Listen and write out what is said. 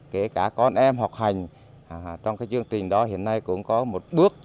kể cả con em học hành trong cái chương trình đó hiện nay cũng có một bước nâng lên